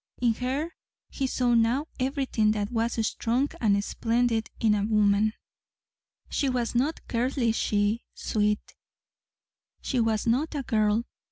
In her he saw now everything that was strong and splendid in woman. She was not girlishly sweet. She was not a girl.